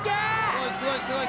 すごいすごいすごい。